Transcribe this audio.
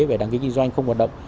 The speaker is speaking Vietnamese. về đăng ký kinh doanh không hoạt động